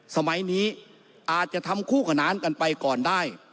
สมัยนี้อาจจะทำคู่ขนานกันไปก่อนได้